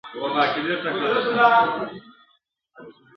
څوک به مات کي زندانونه څوک به ښخ کړي ځینځیرونه!.